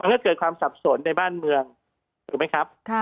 ก็เกิดความสับสนในบ้านเมืองถูกไหมครับ